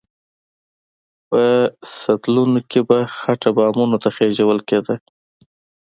په سطلونو کې به خټه بامونو ته خېژول کېده.